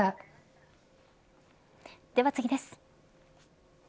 では次です。